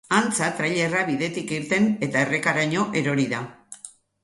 Antza, trailerra bidetik irten eta errekaraino erori da.